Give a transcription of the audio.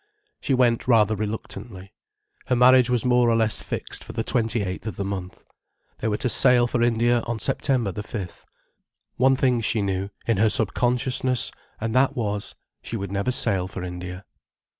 She went rather reluctantly. Her marriage was more or less fixed for the twenty eighth of the month. They were to sail for India on September the fifth. One thing she knew, in her subconsciousness, and that was, she would never sail for India.